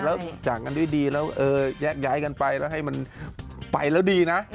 แล้วจากกันด้วยดีแล้วแยกย้ายกันไปแล้วให้มันไปแล้วดีนะ